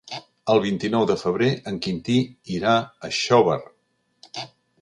El vint-i-nou de febrer en Quintí irà a Xóvar.